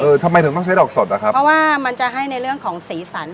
ทำไมถึงต้องใช้ดอกสดอะครับเพราะว่ามันจะให้ในเรื่องของสีสัน